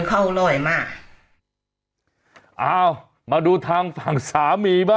คูณพาสาตุไว้มาดูทางสามีค่ะ